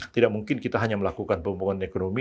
tidak mungkin kita hanya melakukan pembangunan ekonomi